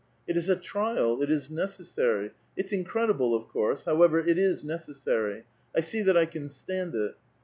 '* It is a trial ; it is necessary ; it's incredible, of course ; Iiowever, it is necessary.. I see that I can stand it.''